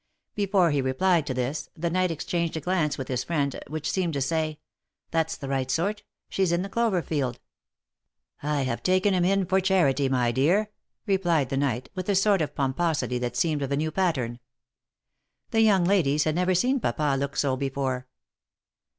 Before he replied to this, the knight exchanged a glance with his friend, which seemed to say, " that's the right sort — she's in the clover field." " I have taken him in for charity, my dear," replied the knight, with a sort of pomposity that seemed of a new pattern. The young ladies had never seen papa look so before.